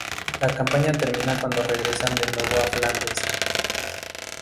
La campaña termina cuando regresan de nuevo a Flandes.